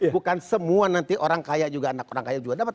bukan semua nanti orang kaya juga anak orang kaya juga dapat